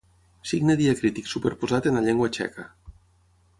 Signe diacrític superposat en la llengua txeca.